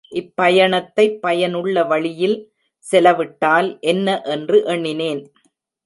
இப்பயணத்தைப் பயனுள்ள வழியில் செலவிட்டால் என்ன என்று எண்ணினேன்.